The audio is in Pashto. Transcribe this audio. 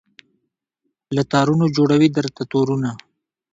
له تارونو جوړوي درته تورونه